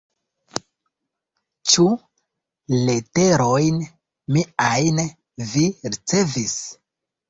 Ĉu leterojn miajn vi ricevis?